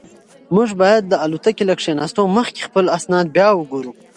موږ باید د الوتکې له کښېناستو مخکې خپل اسناد بیا وګورو.